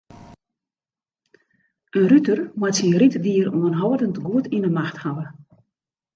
In ruter moat syn ryddier oanhâldend goed yn 'e macht hawwe.